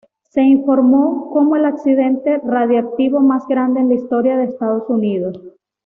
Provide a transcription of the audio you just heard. Se informó como "el accidente radiactivo más grande en la historia de Estados Unidos".